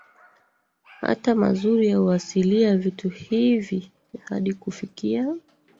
hata mazuri ya uasilia Vitu hivi hadi kufikia